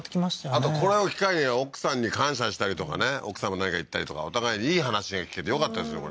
あとこれを機会に奥さんに感謝したりとかね奥さんも何か言ったりとかお互いいい話が聞けてよかったですよ